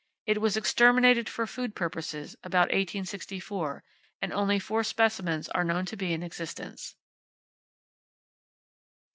It was exterminated for food purposes, about 1864, and only four specimens are known to be in existence.